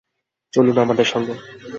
চলুন আমাদের সঙ্গে।